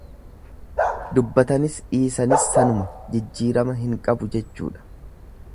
Dubbatanis dhiisanis sanuma jijjiirama hin qabu jechuudha.